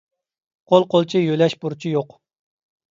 قول قولچە يۆلەش بۇرچى يوق.